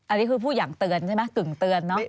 อันนี้คือผู้อยากเตือนใช่ไหมกึ่งเตือนเนอะ